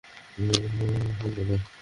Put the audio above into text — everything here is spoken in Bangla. সনিক, আমরা এখন কোথায়?